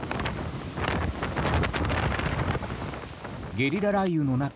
ゲリラ雷雨の中